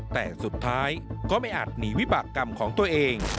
แต่สุดท้ายก็ไม่อาจหนีวิบากรรมของตัวเอง